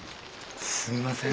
すいません。